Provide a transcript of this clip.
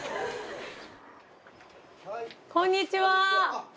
こんにちは。